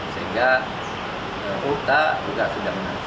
sehingga utak juga sudah menanggung